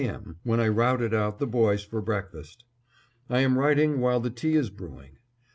M. when I routed out the boys for breakfast. I am writing while the tea is brewing.